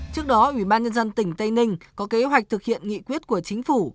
trước đó ủy ban nhân dân tỉnh tây ninh có kế hoạch thực hiện nghị quyết của chính phủ